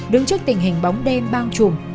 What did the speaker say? đứng trước tình hình bóng đêm bao trùm